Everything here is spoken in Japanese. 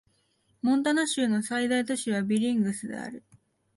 モンタナ州の最大都市はビリングスである